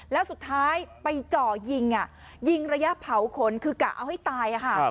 แล้วสุดท้ายไปจ่อยิงยิงระยะเผาขนคือกะเอาให้ตายค่ะ